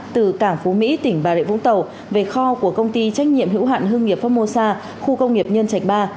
từ cảng phú mỹ tỉnh bà rịa vũng tàu về kho của công ty trách nhiệm hữu hạn hương nghiệp pháp mô sa khu công nghiệp nhân trạch ba